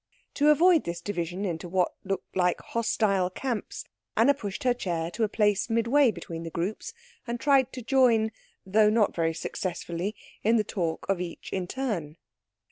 To avoid this division into what looked like hostile camps Anna pushed her chair to a place midway between the groups, and tried to join, though not very successfully, in the talk of each in turn.